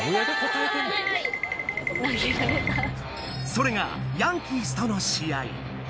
それがヤンキースとの試合